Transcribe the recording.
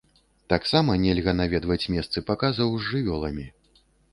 Таксама нельга наведваць месцы паказаў з жывёламі.